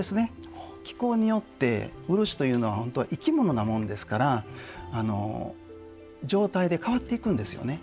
気候によって漆というのは本当は生き物なもんですから状態で変わっていくんですよね。